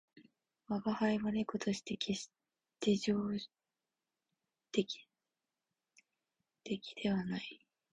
吾輩は猫として決して上乗の出来ではない